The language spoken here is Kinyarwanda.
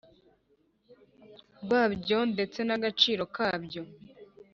Rwabyo ndetse n agaciro kabyo